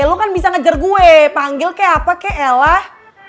lu kan bisa ngejar gue panggil kayak apa kayak elah